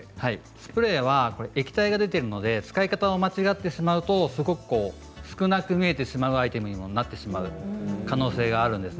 スプレーは液体が出ているので使い方を間違ってしまうとすごく少なく見えてしまうアイテムにもなってしまう可能性があるんです。